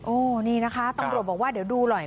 โอ้นี่นะคะตำรวจบอกว่าเดี๋ยวดูหน่อย